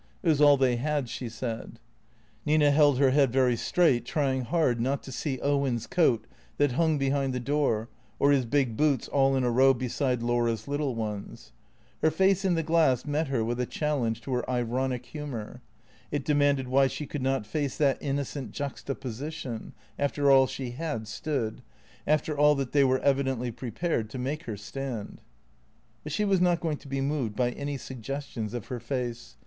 It was all they had, she said. Nina held her head very straight, trying hard not to see Owen's coat that hung behind the door, or his big boots all in a row beside Laura's little ones. Her face in the glass met her with a challenge to her ironic humour. It demanded why she could not face that innocent juxtaposition, after all she had stood, after all that they were evidently prepared to make her stand. But she was not to be moved by any suggestions of her face.